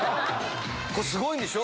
これすごいんでしょ？